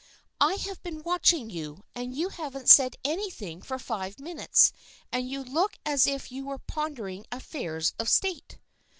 " I have been watching you, and you haven't said anything for five minutes and you look as if you were pondering affairs of state."